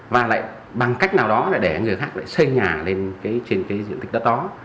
và lại bằng cách nào đó là để người khác lại xây nhà lên trên cái diện tích đất đó